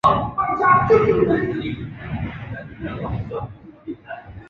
涅雷大道车站列车服务。